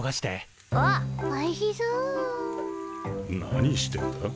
何してんだ？